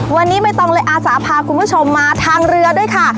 วันนี้ใบตองเลยอาสาพาคุณผู้ชมมาทางเรือด้วยค่ะ